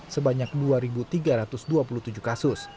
sebanyak dua tiga ratus dua puluh tujuh kasus